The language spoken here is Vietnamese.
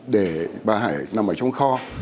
để bà hải nằm ở trong kho